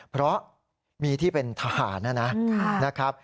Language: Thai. เพราะมีที่เป็นทหารนะครับ